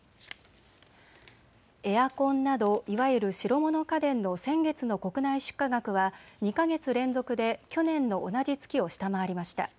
エアコンなどいわゆる白物家電の先月の国内出荷額は２か月連続で去年の同じ月を下回りました。